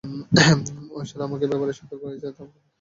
ওই শালা আমাকে পেপারে স্বাক্ষর করাইছে, তার বদলে আমি কিছুই চাইনি।